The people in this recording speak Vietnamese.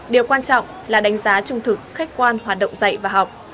điều quan trọng là đánh giá trung thực khách quan hoạt động dạy và học